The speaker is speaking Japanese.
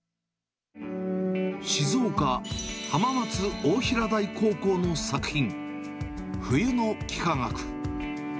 静岡、浜松大平台高校の作品、冬の幾何学。